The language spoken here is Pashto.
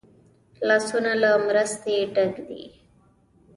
لاسونه له مرستې ډک دي